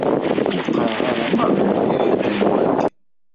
Ur qqareɣ ara maḍi i ḥedd anwa-k.